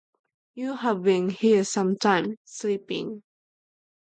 You have been here some time — sleeping.